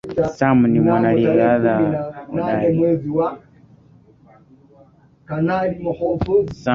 Sam ni mwanariadha hodari